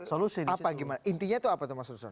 solusi apa gimana intinya itu apa tuh mas ruslan